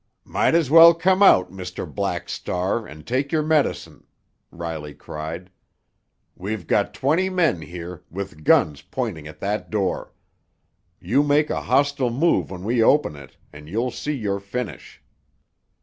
"Might as well come out, Mr. Black Star, and take your medicine!" Riley cried "We've got twenty men here, with guns pointing at that door. You make a hostile move when we open it, and you'll see your finish!"